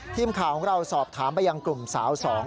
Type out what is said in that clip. ทีมข่าวของเราสอบถามไปยังกลุ่มสาวสอง